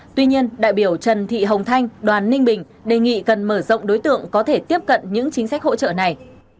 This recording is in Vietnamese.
tuy nhiên đại biểu trần thị hồng thanh đoàn ninh bình đề nghị cần mở rộng đối tượng có thể tiếp cận những chính sách hỗ trợ này